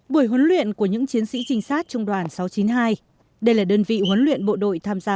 buổi huấn luyện của những chiến sĩ trinh sát trung đoàn sáu trăm chín mươi hai đây là đơn vị huấn luyện bộ đội tham gia